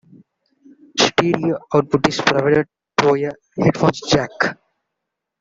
Stereo output is provided through a headphones jack.